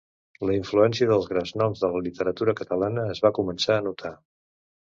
La influència dels grans noms de la literatura catalana es va començar a notar.